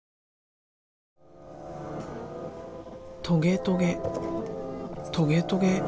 トゲトゲ。